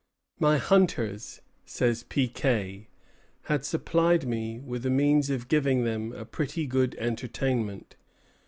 "My hunters," says Piquet, "had supplied me with means of giving them a pretty good entertainment.